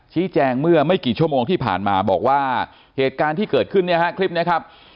แจ้งเมื่อไม่กี่ชั่วโมงที่ผ่านมาบอกว่าเหตุการณ์ที่เกิดขึ้นเนี่ยฮะคลิปนี้ครับ